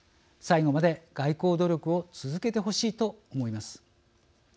最後まで外交努力を続けてほしいと思います。